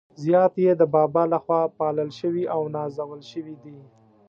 زیات يې د بابا له خوا پالل شوي او نازول شوي دي.